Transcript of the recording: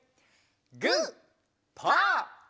グーパー！